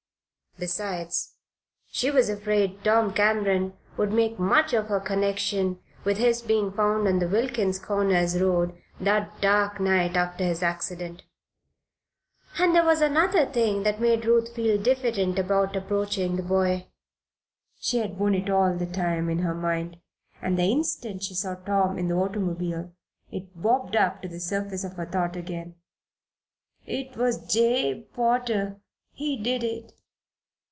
Besides, she was afraid Tom Cameron would make much of her connection with his being found on the Wilkins Corners road that dark night, after his accident. And there was another thing that made Ruth feel diffident about approaching the boy. She had borne it all the time in her mind, and the instant she saw Tom in the automobile it bobbed up to the surface of her thought again. "It was Jabe Potter he did it."